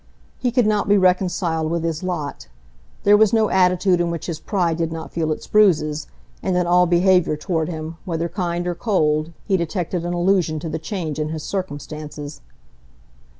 He could not be reconciled with his lot. There was no attitude in which his pride did not feel its bruises; and in all behaviour toward him, whether kind or cold, he detected an allusion to the change in his circumstances.